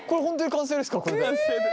完成です。